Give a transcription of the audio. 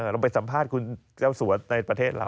เราไปสัมภาษณ์คุณเจ้าสัวในประเทศเรา